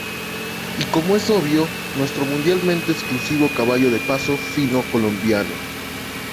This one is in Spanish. Y como es obvio, nuestro mundialmente exclusivo caballo de paso fino colombiano.